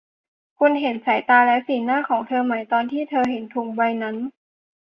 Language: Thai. คุณเห็นสายตาและสีหน้าของเธอไหมตอนที่เธอเห็นถุงใบนั้น